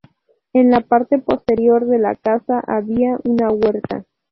En la parte posterior de la casa había una huerta.